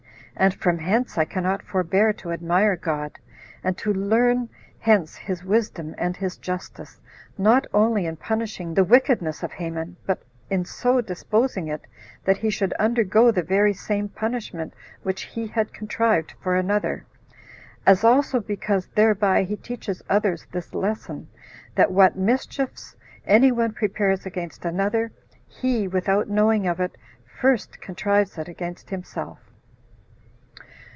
And from hence I cannot forbear to admire God, and to learn hence his wisdom and his justice, not only in punishing the wickedness of Haman, but in so disposing it, that he should undergo the very same punishment which he had contrived for another; as also because thereby he teaches others this lesson, that what mischiefs any one prepares against another, he, without knowing of it, first contrives it against himself.